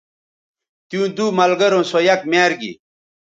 تیوں دو ملگروں سو یک میار گی